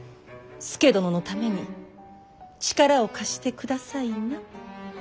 佐殿のために力を貸してくださいな。